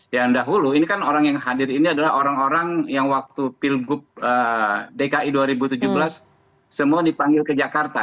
yang dahulu ini kan orang yang hadir ini adalah orang orang yang waktu pilgub dki dua ribu tujuh belas semua dipanggil ke jakarta